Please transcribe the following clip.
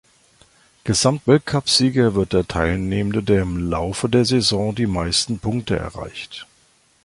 Gesamtweltcupsieger wird der Teilnehmende, der im Laufe der Saison die meisten Punkte erreicht.